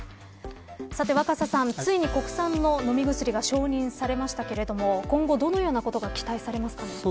若狭さん、ついに国産の飲み薬が承認されましたけど今後、どのようなことが期待されますか。